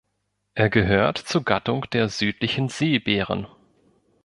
Er gehört zur Gattung der Südlichen Seebären.